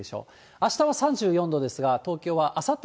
あしたは３４度ですが、東京はあさって